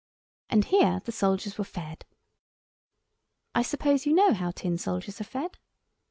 And here the soldiers were fed. I suppose you know how tin soldiers are fed?